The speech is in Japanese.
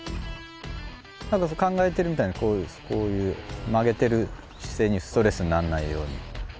考えてるみたいに曲げてる姿勢にストレスにならないように。